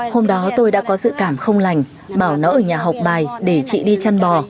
hôm đó tôi đã có dự cảm không lành bảo nó ở nhà học bài để chị đi chăn bò